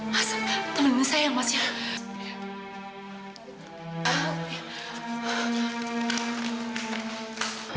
mas teman ini saya yang mas ya